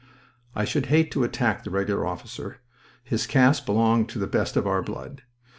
I should hate to attack the Regular officer. His caste belonged to the best of our blood.